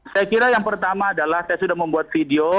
saya kira yang pertama adalah saya sudah membuat video